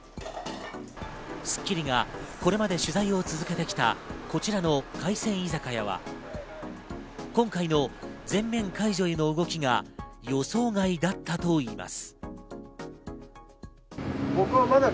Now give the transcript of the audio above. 『スッキリ』がこれまで取材を続けて来たこちらの海鮮居酒屋は、今回の全面解除への動きが予想外だったといいます。